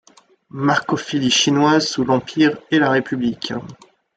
Marcophilie chinoise sous l'Empire et la République.